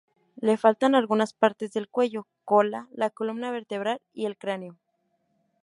Le faltan algunas partes del cuello, cola, la columna vertebral y el cráneo.